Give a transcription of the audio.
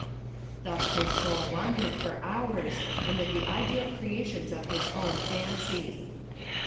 Thus his soul wandered, for hours, amid the ideal creations of his own fancy.